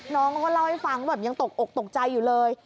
น้องเขาก็เล่าให้ฟังว่าแบบยังตกอกตกใจอยู่เลย